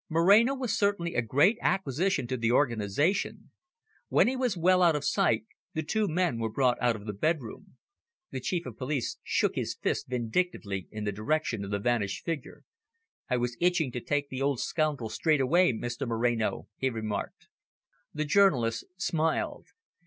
Moreno was certainly a great acquisition to the organisation. When he was well out of sight the two men were brought out of the bedroom. The Chief of Police shook his fist vindictively in the direction of the vanished figure. "I was itching to take the old scoundrel straight away, Mr Moreno," he remarked. The journalist smiled.